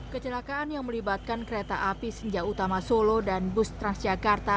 kecelakaan yang melibatkan kereta api senja utama solo dan bus transjakarta